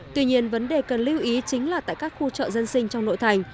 tuy nhiên vấn đề cần lưu ý chính là tại các khu chợ dân sinh trong nội thành